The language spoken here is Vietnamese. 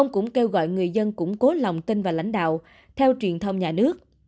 cũng kêu gọi người dân củng cố lòng tin và lãnh đạo theo truyền thông nhà nước